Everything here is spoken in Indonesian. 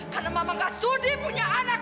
karena mama gak sudi punya anak